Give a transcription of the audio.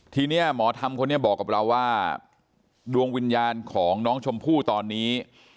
ทีนี้หมอธรรมคนนี้บอกกับเราว่าดวงวิญญาณของน้องชมพู่ตอนนี้